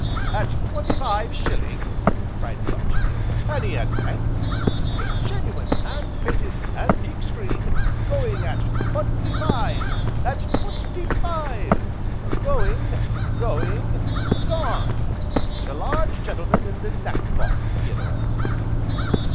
"At twenty five shillings!" cried the Auctioneer, "any advance? a genuine, hand painted, antique screen, going at twenty five at twenty five, going going gone! To the large gentleman in the neckcloth, Theodore!"